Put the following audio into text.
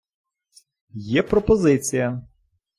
Є пропозиція.